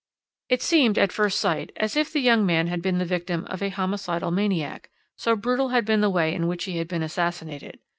"It seemed at first sight as if the young man had been the victim of a homicidal maniac, so brutal had been the way in which he had been assassinated.